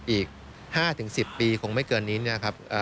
อีก๕๑๐ปีคงไม่เกินนี้